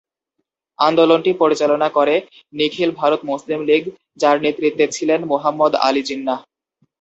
আন্দোলনটি পরিচালনা করে নিখিল ভারত মুসলিম লীগ, যার নেতৃত্বে ছিলেন মুহাম্মদ আলী জিন্নাহ।